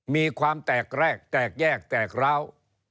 มีความแตกแรกแตกแยกแตกร้าว